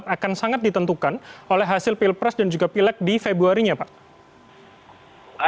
akan sangat ditentukan oleh hasil pilpres dan juga pilek di februarinya pak